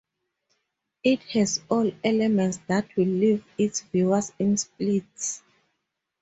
It has all elements that will leave its viewers in splits.